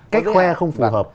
cái khoe không phù hợp